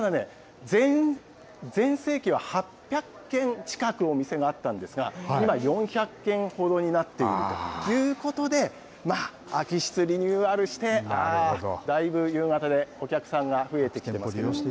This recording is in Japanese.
ただね、全盛期は８００軒近く、お店があったんですが、今、４００軒ほどになっているということで、空き室リニューアルして、だいぶ夕方で、お客さんが増えてきています。